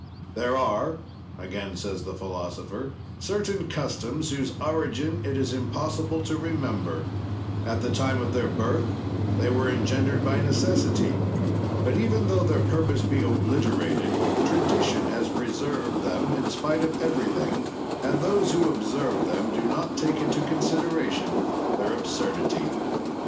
"There are," again says the philosopher, "certain customs, whose origin it is impossible to remember; at the time of their birth, they were engendered by necessity, but even tho their purpose be obliterated, tradition has preserved them in spite of everything, and those who observe them do not take into consideration their absurdity.